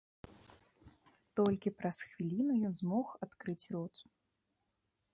Толькі праз хвіліну ён змог адкрыць рот.